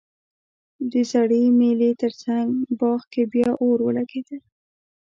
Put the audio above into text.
د زړې مېلې ترڅنګ باغ کې بیا اور ولګیده